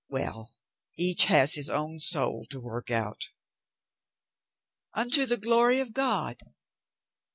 Well ! Each has his own soul to work out," "Unto the glory of God!"